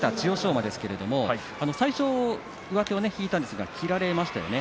馬ですが最初上手を引いたんですが切られましたね。